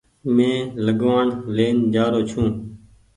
مينٚ لگوآڻ لين جآرو ڇوٚنٚ